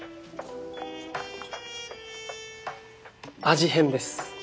味変です。